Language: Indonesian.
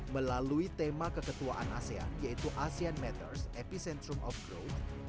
melalui tema keketuaan asean yaitu asean matters epicentrum of growth